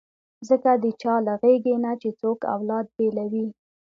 ځکه د چا له غېږې نه چې څوک اولاد بېلوي.